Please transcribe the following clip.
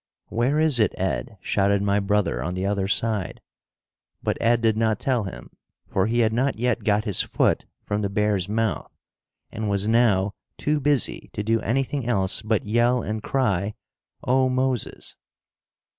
"Where is it, Ed?" shouted my brother on the other side. But Ed did not tell him, for he had not yet got his foot from the bear's mouth, and was now too busy to do anything else but yell and cry "Oh, Moses!"